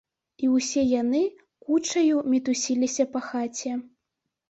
І ўсе яны кучаю мітусіліся па хаце.